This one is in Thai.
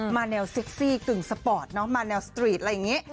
แนวเซ็กซี่กึ่งสปอร์ตน้องมาแนวสตรีทอะไรอย่างนี้